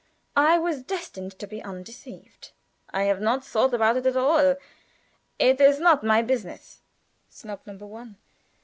I was destined to be undeceived. "I have not thought about it at all; it is not my business." Snub number one.